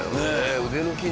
腕の筋肉